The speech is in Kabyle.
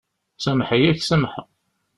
Sameḥ-iyi, ad k-samḥeɣ.